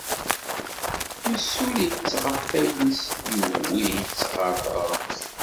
Yessuli-tt ɣef wayis, yuwi-tt ɣer teɣremt.